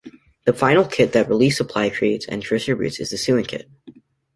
The final kit that Relief Supplies creates and distributes is the Sewing Kit.